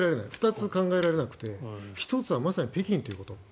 ２つ考えられなくて１つはまさに北京ということ。